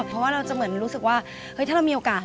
เพราะว่าเราจะเหมือนรู้สึกว่าเฮ้ยถ้าเรามีโอกาส